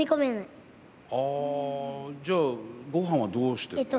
ああ、じゃあごはんはどうしてるの？